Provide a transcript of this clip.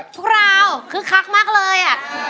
ทุกคนคือคักมากเลย